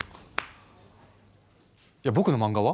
いや僕の漫画は⁉